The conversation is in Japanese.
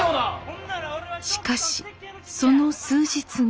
しかしその数日後。